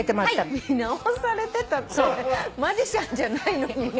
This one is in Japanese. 見直されてたってマジシャンじゃないのに。